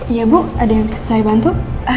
iya bu ada yang bisa saya bantu